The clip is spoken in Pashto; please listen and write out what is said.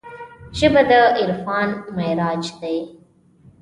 ژبه د عرفان معراج دی